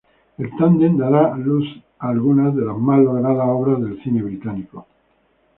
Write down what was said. El tándem dará a luz algunas de las más logradas obras del cine británico.